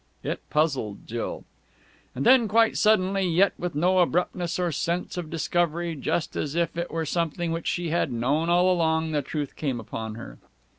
It puzzled Jill. And then, quite suddenly, yet with no abruptness or sense of discovery, just as if it were something which she had known all along, the truth came upon her.